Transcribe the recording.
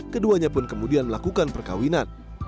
keduanya pun kemudian melakukan perkawinan